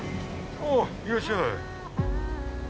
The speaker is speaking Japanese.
あっいらっしゃい